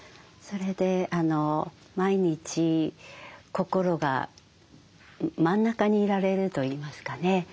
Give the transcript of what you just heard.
それで毎日心が真ん中にいられるといいますかね